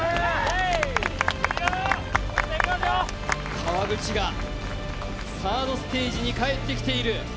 川口がサードステージに帰ってきている。